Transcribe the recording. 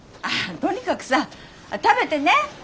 あとにかくさ食べてね。